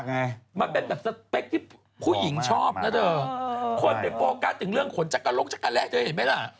ข้อของเป็นปกป้องกันถึงเรื่องขนจักรกลงจักรแรกเจ๋วเห็นไหมล่ะ